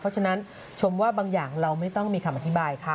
เพราะฉะนั้นชมว่าบางอย่างเราไม่ต้องมีคำอธิบายค่ะ